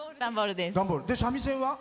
三味線は？